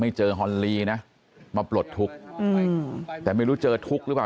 เจอฮอนลีนะมาปลดทุกข์แต่ไม่รู้เจอทุกข์หรือเปล่า